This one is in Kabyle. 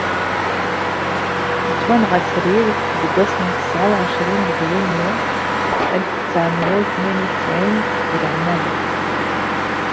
Yettwanɣa srid deg wass n tesεa u εecrin deg junyu alef u tesεemya u tnin u tesεin deg Ɛennaba.